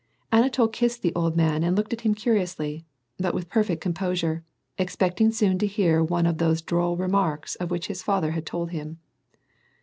Auatol kissed the old man and looked at him curiously, but with per fect composure, expecting soon to hear one of those droll remarks of which his father had told him.